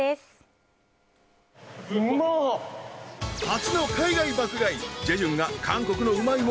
初の海外爆買い。